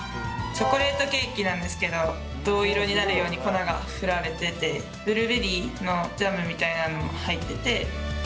チョコレートケーキなんですけど、銅色になるように粉が振られていて、ブルーベリーのジャムみたいなのも入ってて。